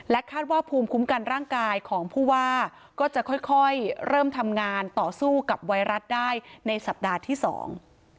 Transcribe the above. คาดว่าภูมิคุ้มกันร่างกายของผู้ว่าก็จะค่อยค่อยเริ่มทำงานต่อสู้กับไวรัสได้ในสัปดาห์ที่สอง